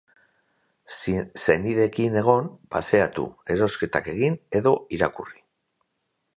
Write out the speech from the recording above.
Senideekin egon, paseatu, erosketak egin edo irakurri.